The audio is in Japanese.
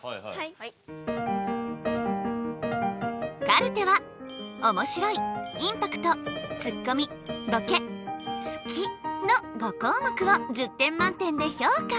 カルテは「おもしろい」「インパクト」「ツッコミ」「ボケ」「好き」の５項目を１０点満点で評価。